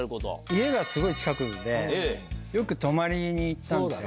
家がすごく近くでよく泊まりに行ったんですよ。